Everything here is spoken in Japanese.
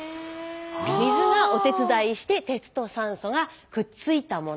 水がお手伝いして鉄と酸素がくっついたもの。